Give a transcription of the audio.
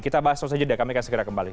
kita bahas itu saja kami akan segera kembali